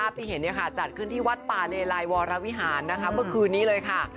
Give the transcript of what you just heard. ปีเห็นจัดขึ้นที่วัดป่าเลรายวรวรวิหารเมื่อคืนนี้เลยค่ะ